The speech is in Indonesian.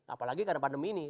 apalagi karena pandemi ini